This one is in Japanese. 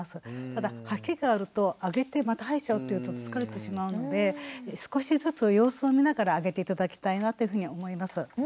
ただ吐き気があるとあげてまた吐いちゃうっていうと疲れてしまうので少しずつ様子を見ながらあげて頂きたいなというふうに思います。